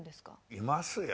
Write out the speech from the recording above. いますよ。